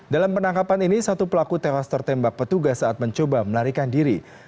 dalam penangkapan ini satu pelaku tewas tertembak petugas saat mencoba melarikan diri